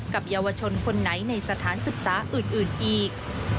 กับเยาวชนคนไหนในสถานศึกษาอื่นอีก